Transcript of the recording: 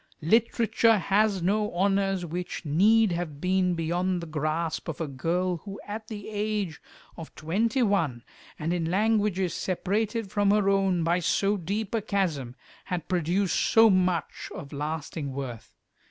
Literature has no honours which need have been beyond the grasp of a girl who at the age of twenty one, and in languages separated from her own by so deep a chasm, had produced so much of lasting worth.